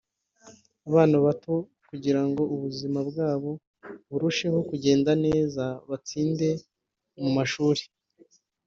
abana bato kugira ngo ubuzima bwabo burusheho kugenda neza batsinde mu mashuri